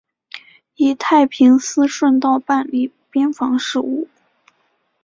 以太平思顺道办理边防事务。